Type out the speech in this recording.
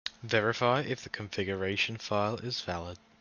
Verify if the configuration file is valid.